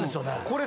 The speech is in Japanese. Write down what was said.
これ。